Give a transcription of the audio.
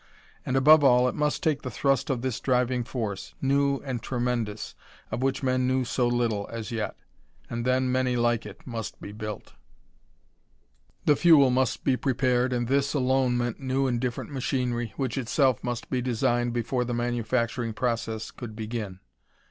And above all, it must take the thrust of this driving force new and tremendous of which men knew so little as yet. And then many like it must be built. The fuel must be prepared, and this, alone, meant new and different machinery, which itself must be designed before the manufacturing process could begin.